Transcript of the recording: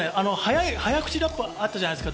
早口ラップがあったじゃないですか。